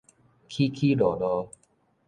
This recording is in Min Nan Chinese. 起起落落